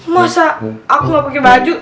masa aku gak pakai baju